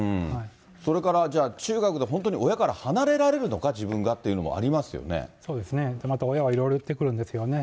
それからじゃあ、中学で本当に親から離れられるのか、そうですね、また親はいろいろ言ってくるんですよね。